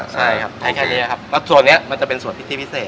ใช่ครับใช้แค่นี้ครับแล้วส่วนนี้มันจะเป็นส่วนพิธีพิเศษ